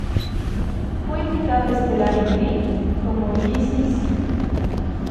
Fue invitado estelar en "Glee" como Jesse St.